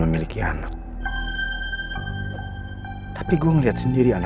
keberp datedan pesanan itu orang ini membunuh kami